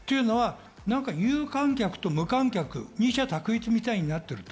有観客と無観客、二者択一みたいになっている。